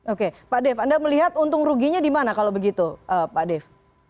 oke pak dev anda melihat untung ruginya di mana kalau begitu pak dev